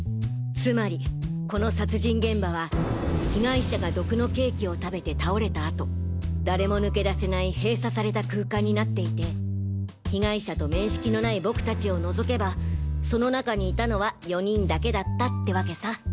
つまりこの殺人現場は被害者が毒のケーキを食べて倒れた後誰もぬけ出せない閉鎖された空間になっていて被害者と面識のない僕たちをのぞけばその中にいたのは４人だけだったってわけさ。